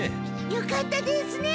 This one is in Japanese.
よかったですね